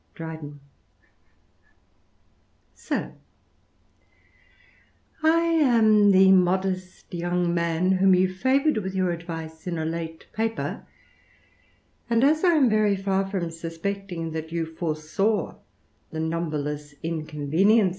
Drye SIR, T AM the modest young man whom you favoured *■ your advice, in a late paper \ and, as I am very far suspecting that you foresaw the numberless inconvenie * Note III.